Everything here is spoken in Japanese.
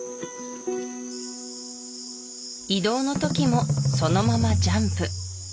移動の時もそのままジャンプ